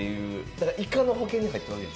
だからイカの保険に入ってるわけでしょ。